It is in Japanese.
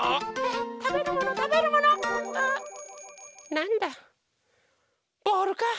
なんだボールか！